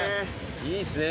いいっすね